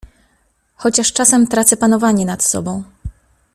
chociaż czasem tracę panowanie nad sobą.